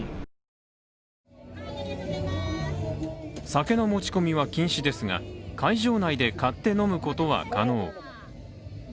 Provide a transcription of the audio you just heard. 酒の持ち込みは禁止ですが会場内で買って、飲むことは可能。